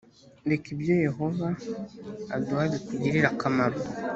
reka ibyo yehova aduha bikugirire akamaro